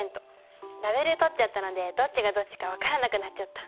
ラベル取っちゃったのでどっちがどっちか分からなくなっちゃった。